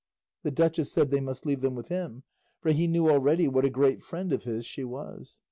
The duchess said they must leave them with him; for he knew already what a great friend of his she was.